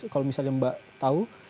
kalau misalnya mbak tahu